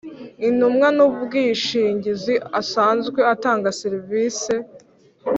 Intumwa n’umwishingizi asanzwe atanga serivise